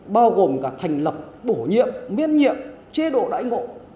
bao gồm cả thành lập bổ nhiệm miễn nhiệm chế độ đại ngộ